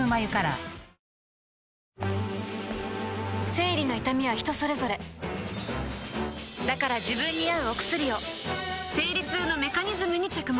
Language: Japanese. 生理の痛みは人それぞれだから自分に合うお薬を生理痛のメカニズムに着目